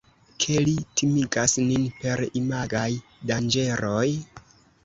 Ke li timigas nin per imagaj danĝeroj?